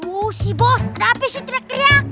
oh si bos ada apaan sih teriak teriak